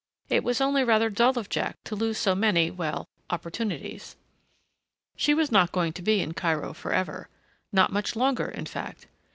It was only rather dull of Jack to lose so many, well, opportunities. She was not going to be in Cairo forever. Not much longer, in fact.